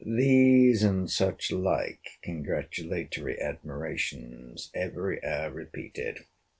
These and such like congratulatory admirations every hour repeated.